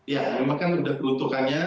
ya memang kan sudah peruntukannya